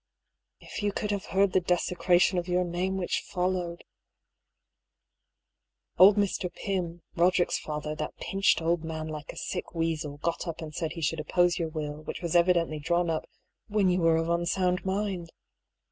If you could have heard the desecration of your name which followed I Old Mr. Pym, Roderick's father, that pinched old man like a sick weasel, got up and said he should op pose your will, which was evidently drawn up when you were of unsound mind.